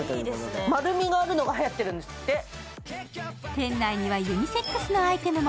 店内にはユニセックスなアイテムも。